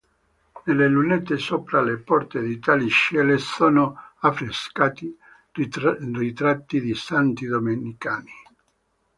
Nelle lunette sopra le porte di tali celle sono affrescati ritratti di santi domenicani.